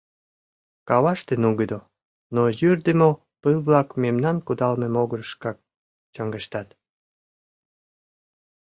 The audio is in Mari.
Каваште нугыдо, но йӱрдымӧ пыл-влак мемнан кудалме могырышкак чоҥештат.